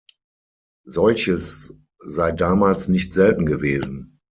Solches sei damals nicht selten gewesen.